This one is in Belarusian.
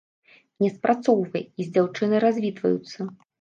Не спрацоўвае, і з дзяўчынай развітваюцца.